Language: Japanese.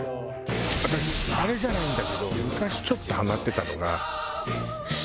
私あれじゃないんだけど昔ちょっとハマってたのが刺繍。